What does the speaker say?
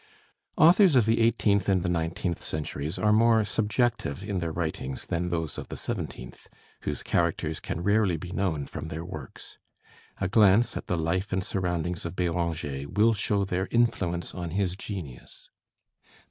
Authors of the eighteenth and the nineteenth centuries are more subjective in their writings than those of the seventeenth, whose characters can rarely be known from their works. A glance at the life and surroundings of Béranger will show their influence on his genius.